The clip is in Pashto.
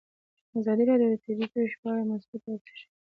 ازادي راډیو د طبیعي پېښې په اړه مثبت اغېزې تشریح کړي.